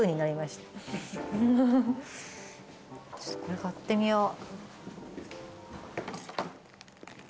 これ買ってみよう。